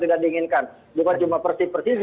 tidak diinginkan bukan cuma persin persin